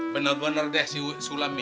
bener bener deh si sulam mi